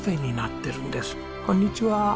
こんにちは。